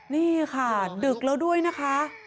นี่ค่ะดึกแล้วด้วยนะคะ